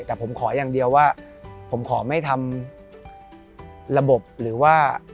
แต่ผมขออย่างเดียวว่าผมขอไม่ทำระบบหรือว่า